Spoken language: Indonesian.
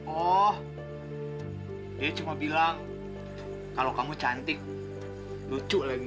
oh dia cuma bilang kalau kamu cantik lucu lagi